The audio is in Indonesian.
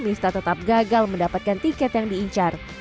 miftah tetap gagal mendapatkan tiket yang diincar